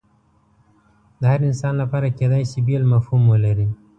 د هر انسان لپاره کیدای شي بیل مفهوم ولري